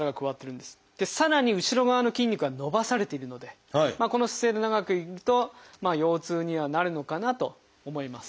さらに後ろ側の筋肉が伸ばされているのでこの姿勢で長くいると腰痛にはなるのかなと思います。